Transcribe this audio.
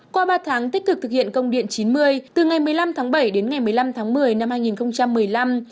qua ba tháng tích cực thực hiện công điện chín mươi từ ngày một mươi năm tháng bảy đến ngày một mươi năm tháng một mươi năm hai nghìn một mươi năm